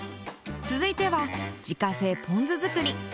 続いては自家製ポン酢作り。